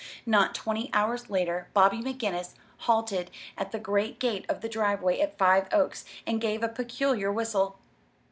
Not twenty hours later Bobby McGinnis halted at the great gate of the driveway at Five Oaks and gave a peculiar whistle.